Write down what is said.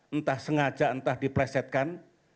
entah sengaja entah diplesetkan